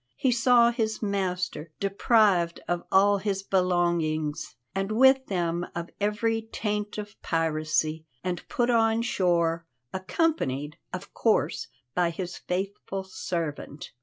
He saw his master, deprived of all his belongings, and with them of every taint of piracy, and put on shore, accompanied, of course, by his faithful servant.